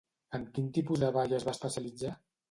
En quin tipus de ball es va especialitzar?